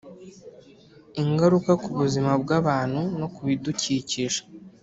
ingaruka ku buzima bw’abantu no ku bidukikije